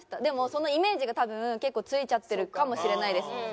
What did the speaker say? でもそのイメージが多分結構ついちゃってるかもしれないです。